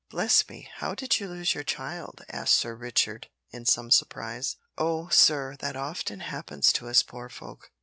"Bless me, how did you lose your child?" asked Sir Richard, in some surprise. "Oh! sir, that often happens to us poor folk.